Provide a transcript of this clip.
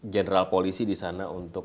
jenderal polisi disana untuk